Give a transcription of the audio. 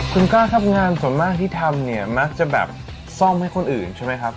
คุณก้าครับงานส่วนมากที่ทำเนี่ยมักจะแบบซ่อมให้คนอื่นใช่ไหมครับ